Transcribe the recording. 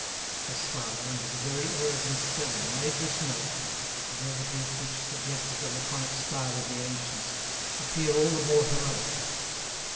The style, and the very errors in spelling, made this note—the brevity of which suggested the laconic style of the ancients—appear all the more heroic.